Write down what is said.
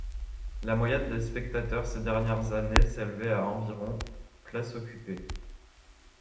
La moyenne des spectateurs ces dernières années s'élevait à environ places occupées.